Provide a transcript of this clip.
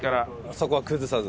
そこは崩さず。